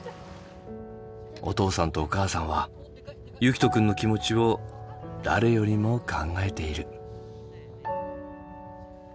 お父さんとお母さんは結希斗くんの気持ちを誰よりも考えている。